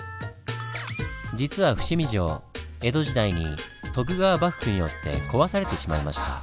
実は伏見城江戸時代に徳川幕府によって壊されてしまいました。